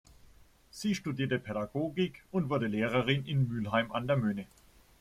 Sie studierte Pädagogik und wurde Lehrerin in Mülheim an der Möhne.